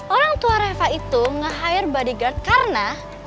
orang tua reva itu nge hire bodyguard karena